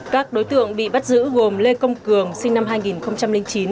các đối tượng bị bắt giữ gồm lê công cường sinh năm hai nghìn chín